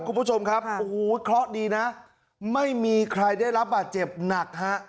คุณผู้ชมครับโอ้โหเคราะห์ดีนะไม่มีใครได้รับบาดเจ็บหนักฮะ